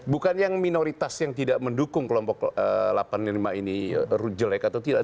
bukan yang minoritas yang tidak mendukung kelompok delapan puluh lima ini jelek atau tidak